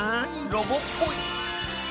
ロボっぽい。